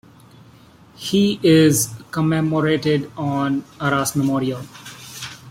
He is commemorated on the Arras memorial.